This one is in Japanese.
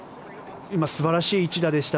今、素晴らしい一打でした。